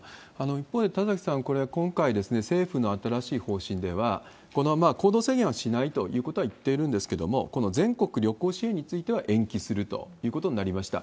一方で田崎さん、これ、今回、政府の新しい方針では、行動制限はしないということはいっているんですけれども、この全国旅行支援については延期するということになりました。